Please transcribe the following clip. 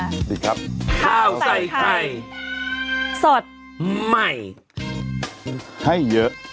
สวัสดีค่ะสวัสดีครับข้าวใส่ไข่สดใหม่ให้เยอะ